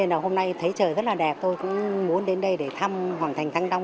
rất là đẹp tôi cũng muốn đến đây để thăm hoàng thành thăng long